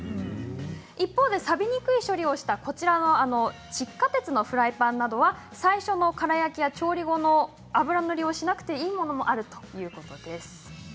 一方でさびにくい処理をした窒化鉄のフライパンなどは最初の空焼きや調理後の油塗りをしなくてもいいものもあるということです。